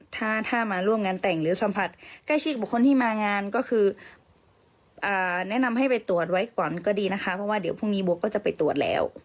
ถ้าถ้ามาร่วมงานแต่งหรือสัมผัสใกล้ชิดบุคคลที่มางานก็คือแนะนำให้ไปตรวจไว้ก่อนก็ดีนะคะเพราะว่าเดี๋ยวพรุ่งนี้บวกก็จะไปตรวจแล้ว